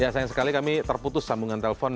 ya sayang sekali kami terputus sambungan telepon